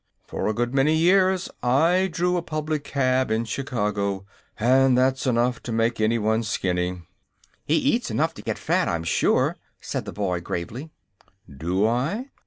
For a good many years I drew a public cab in Chicago, and that's enough to make anyone skinny." "He eats enough to get fat, I'm sure," said the boy, gravely. "Do I?